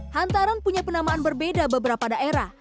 hantaran punya penamaan berbeda beberapa daerah